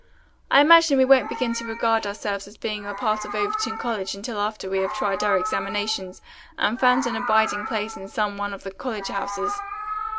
"I imagine we won't begin to regard ourselves as being a part of Overton College until after we have tried our examinations and found an abiding place in some one of the college houses.